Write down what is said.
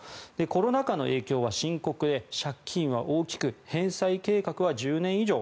コロナ禍の影響は深刻で借金は大きく返済計画は１０年以上。